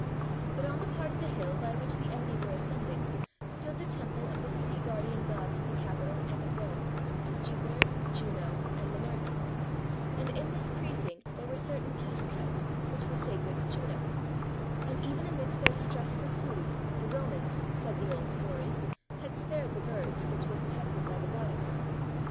But on the part of the hill by which the enemy were ascending, stood the temple of the three guardian gods of the Capitol and of Rome, — Jupiter, Juno, and Minerva; and in this precinct there were certain geese kept, which were sacred to Juno ; and even amidst their distress for food, the Romans, said the old story, had spared the birds which were protected by the goddess.